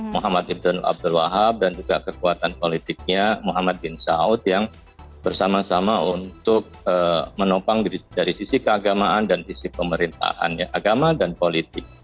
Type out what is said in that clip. muhammad ibdul abdul wahab dan juga kekuatan politiknya muhammad bin saud yang bersama sama untuk menopang dari sisi keagamaan dan sisi pemerintahan agama dan politik